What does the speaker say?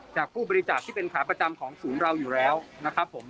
ผู้บริจาคที่เป็นขาประจำของศูนย์เราอยู่แล้วนะครับผม